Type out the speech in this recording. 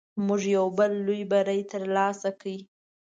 موږ یو بل لوی بری تر لاسه کړ.